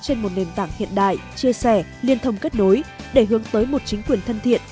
trên một nền tảng hiện đại chia sẻ liên thông kết nối để hướng tới một chính quyền thân thiện